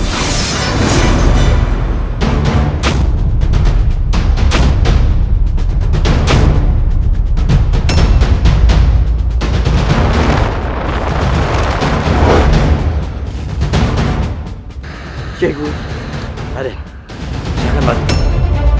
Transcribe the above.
jenggu aden jangan bangun